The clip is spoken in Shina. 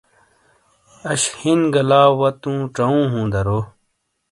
آش ہن گہ لاؤ ژوں درو ۔